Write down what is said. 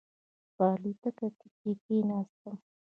په الوتکه کې چې کېناستم.